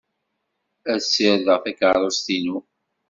Ad ssirdeɣ takeṛṛust-inu.